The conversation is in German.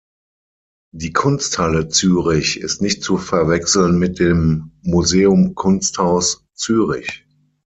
Die Kunsthalle Zürich ist nicht zu verwechseln mit dem Museum Kunsthaus Zürich.